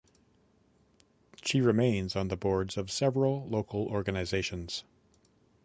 She remains on the boards of several local organisations.